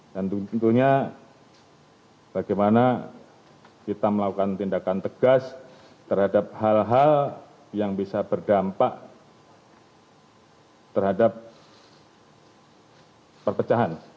dan tentunya bagaimana kita melakukan tindakan tegas terhadap hal hal yang bisa berdampak terhadap perpecahan